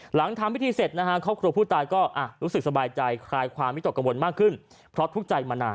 หลังทำพิธีเสร็จนะครับครบครัวผู้ตายก็อ่ะรู้สึกสบายใจ